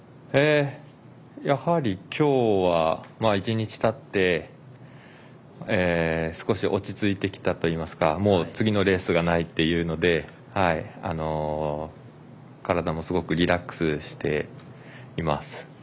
やはり、きょうは１日たって少し落ち着いてきたといいますか次のレースがないというので体もすごくリラックスしています。